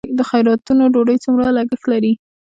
د خیراتونو ډوډۍ څومره لګښت لري؟